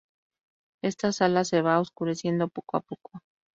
Esta sala se va oscureciendo poco a poco.